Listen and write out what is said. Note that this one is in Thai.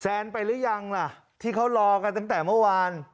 ไปหรือยังล่ะที่เขารอกันตั้งแต่เมื่อวาน